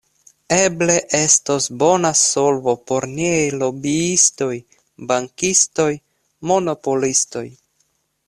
Eble estos bona solvo por niaj lobiistoj, bankistoj, monopolistoj.